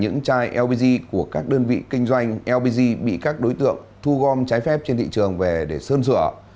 những chai lbg của các đơn vị kinh doanh lpg bị các đối tượng thu gom trái phép trên thị trường về để sơn sửa